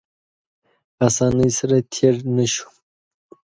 اسانۍ سره تېر نه شو.